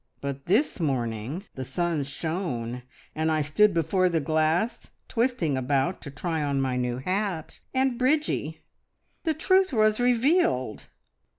But this morning the sun shone, and I stood before the glass twisting about to try on my new hat, and, Bridgie, the truth was revealed!